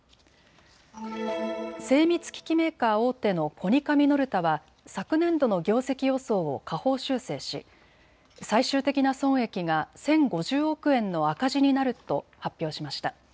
精密機器メーカー大手のコニカミノルタは昨年度の業績予想を下方修正し最終的な損益が１０５０億円の赤字になると発表しました。